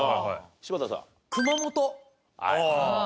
柴田さん